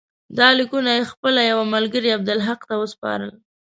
دا لیکونه یې خپل یوه ملګري عبدالحق ته وسپارل.